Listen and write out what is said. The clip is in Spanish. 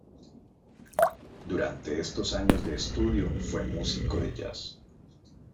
Durante estos años de estudio fue músico de jazz.